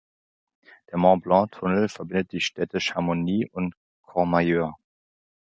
Der Mont-Blanc-Tunnel verbindet die Städte Chamonix und Courmayeur.